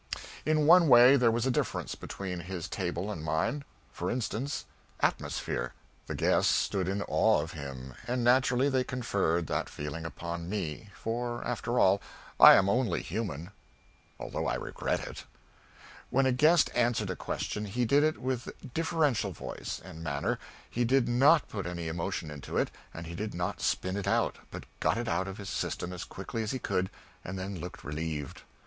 In one way there was a difference between his table and mine for instance, atmosphere; the guests stood in awe of him, and naturally they conferred that feeling upon me, for, after all, I am only human, although I regret it. When a guest answered a question he did it with deferential voice and manner; he did not put any emotion into it, and he did not spin it out, but got it out of his system as quickly as he could, and then looked relieved.